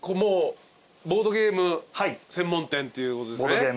ボードゲーム専門店っていうことですね？